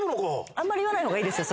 あんまり言わない方がいいですよ